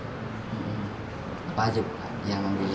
apa aja pak yang membeli